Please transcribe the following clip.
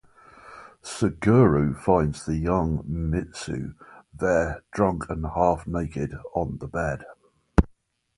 Suguro finds the young Mitsu there, drunk and half-naked on the bed.